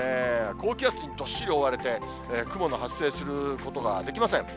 高気圧にどっしり覆われて、雲の発生することができません。